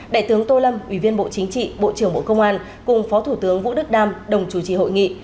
đại tướng tô lâm ủy viên bộ chính trị bộ trưởng bộ công an cùng phó thủ tướng vũ đức đam đồng chủ trì hội nghị